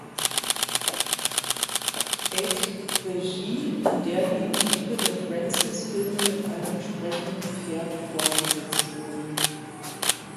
Ed“ Regie, in der die Motive der „Francis“-Filme mit einem sprechenden Pferd fortgesetzt wurden.